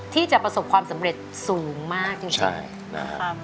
ที่จะประสบความสำเร็จสูงมากจริงนะครับ